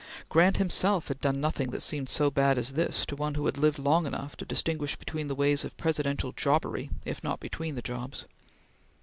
Grant himself had done nothing that seemed so bad as this to one who had lived long enough to distinguish between the ways of presidential jobbery, if not between the jobs.